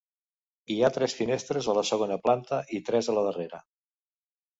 Hi ha tres finestres a la segona planta, i tres a la darrera.